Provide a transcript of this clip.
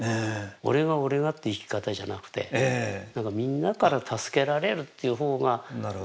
「俺が俺が」っていう生き方じゃなくてなんかみんなから助けられるっていうほうがこれ。